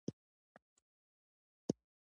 د ریګ دښتې د افغان ماشومانو د زده کړې موضوع ده.